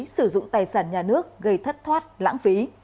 sử dụng tài sản nhà nước gây thất thoát lãng phí